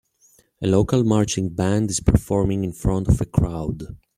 A local marching band is performing in front of a crowd.